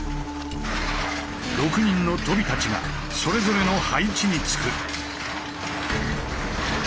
６人のとびたちがそれぞれの配置につく。